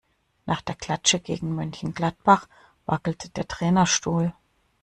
Nach der Klatsche gegen Mönchengladbach wackelt der Trainerstuhl.